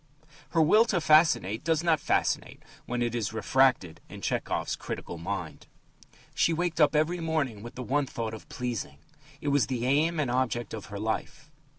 Her will to fascinate does not fascinate when it is refracted in Tchehov's critical mind: She waked up every morning with the one thought of "pleasing." It was the aim and object of her life.